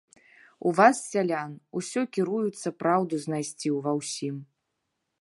У вас, сялян, усё кіруюцца праўду знайсці ўва ўсім.